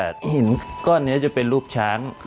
อันนี้ชาวบ้านเขาว่าหินก้อนนี้จะเป็นรูปช้าง